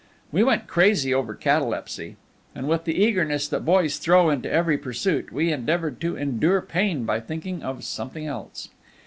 We went crazy over catalepsy; and with the eagerness that boys throw into every pursuit, we endeavored to endure pain by thinking of something else.